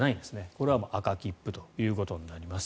これは赤切符ということになります。